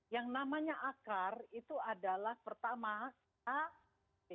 yang namanya akar itu adalah pertama a b